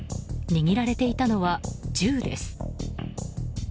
握られていたのは銃です。